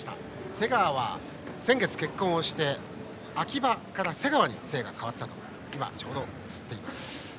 瀬川は先月結婚をして秋場から瀬川に姓が変わったということです。